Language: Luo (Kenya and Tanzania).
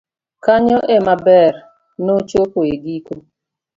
kanyo ema ber nochopo e giko